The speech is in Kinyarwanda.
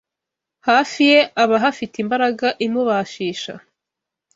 Hafi ye aba ahafite imbaraga imubashisha